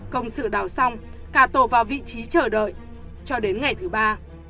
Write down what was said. công sự đào xong cả tổ vào vị trí chờ đợi cho đến ngày thứ ba